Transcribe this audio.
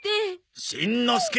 しんのすけ！